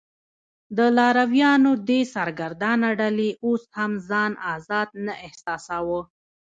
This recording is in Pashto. د لارویانو دې سرګردانه ډلې اوس هم ځان آزاد نه احساساوه.